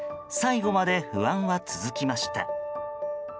最後まで不安は続きました。